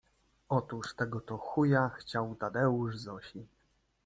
Otóż tego to chuja chciał Tadeusz Zosi